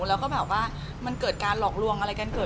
ต่างระอบมันเคยเกิดการหลอกลวง